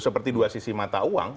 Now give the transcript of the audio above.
seperti dua sisi mata uang